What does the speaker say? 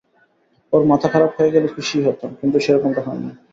ওর মাথা খারাপ হয়ে গেলে খুশিই হতাম, কিন্তু সেরকমটা হয়নি!